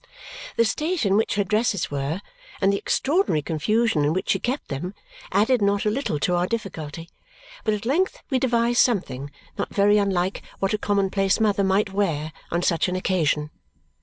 The state in which her dresses were, and the extraordinary confusion in which she kept them, added not a little to our difficulty; but at length we devised something not very unlike what a common place mother might wear on such an occasion.